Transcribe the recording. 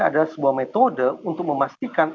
adalah sebuah metode untuk memastikan